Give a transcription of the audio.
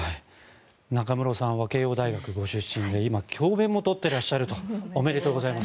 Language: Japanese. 中室さんは慶應大学ご出身で今、教べんも取っていらっしゃると。おめでとうございます。